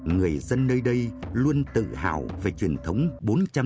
người dân nơi đây luôn tự hào về truyền thống bồ tát